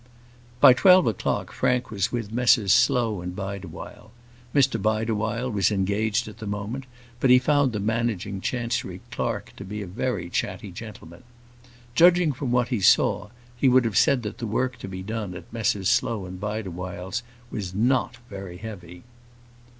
By twelve o'clock Frank was with Messrs Slow & Bideawhile. Mr Bideawhile was engaged at the moment, but he found the managing Chancery clerk to be a very chatty gentleman. Judging from what he saw, he would have said that the work to be done at Messrs Slow & Bideawhile's was not very heavy.